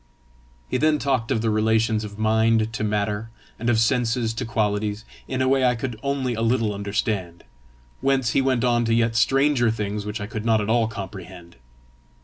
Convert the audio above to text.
He then talked of the relations of mind to matter, and of senses to qualities, in a way I could only a little understand, whence he went on to yet stranger things which I could not at all comprehend.